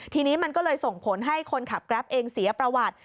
ทีนี้มันก็เลยส่งผลให้คนขับแกรปเองเสียประวัติ